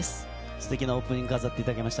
すてきなオープニング飾っていただきました。